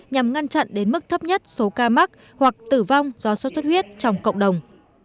nhằm ngăn chặn đến mức thấp nhất số ca mắc hoặc tử vong do sốt xuất huyết trong cộng đồng